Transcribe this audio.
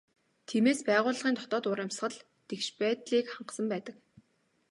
Тиймээс байгууллагын дотоод уур амьсгал тэгш байдлыг хангасан байдаг.